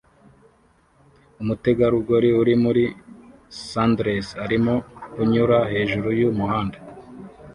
Umutegarugori uri muri sundress arimo kunyura hejuru yumuhanda